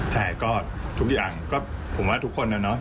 ใช่ก็ทุกอย่างก็ผมว่าทุกคนนะเนาะ